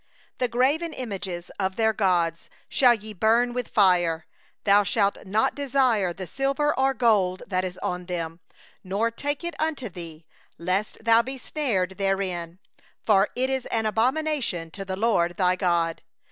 25The graven images of their gods shall ye burn with fire; thou shalt not covet the silver or the gold that is on them, nor take it unto thee, lest thou be snared therein; for it is an abomination to the LORD thy God.